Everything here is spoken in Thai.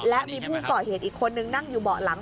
และมีผู้ก่อเหตุอีกคนนึงนั่งอยู่เบาะหลัง